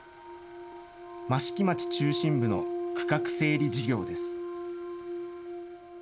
益城町中心部の区画整理事業です。